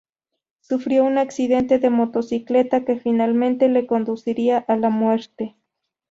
Sufrió un accidente de motocicleta que finalmente le conduciría a la muerte.